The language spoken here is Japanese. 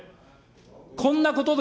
こんなことで、